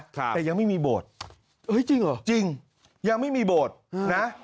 แต่ยังไม่มีโบสถ์เอ้ยจริงเหรอจริงยังไม่มีโบสถ์นะ